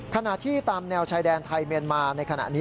ขณะที่ตามแนวชายแดนไทยเมียนมาในขณะนี้